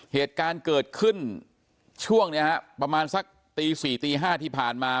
เหตุการณ์เกิดขึ้นช่วงนี้ฮะประมาณสักตี๔ตี๕ที่ผ่านมา